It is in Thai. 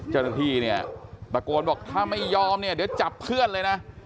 เจ้าหน้าที่เนี่ยตะโกนบอกถ้าไม่ยอมเนี่ยเดี๋ยวจับเพื่อนเลยนะ